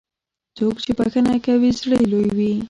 څوک چې بښنه کوي، زړه یې لوی وي.